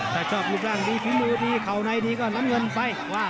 ถ้าชอบรูปร่างดีฝีมือดีเข่าในดีก็น้ำเงินไปว่า